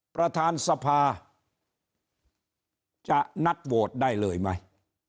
ประธานสภาจะนัดโหวตได้เลยไหม